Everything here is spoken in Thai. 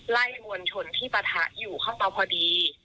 มวลชนที่ปะทะอยู่เข้ามาพอดี